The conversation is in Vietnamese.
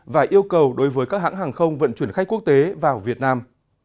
và yêu cầu đối với các hãng hàng không vận chuyển khách quốc tế vào việt nam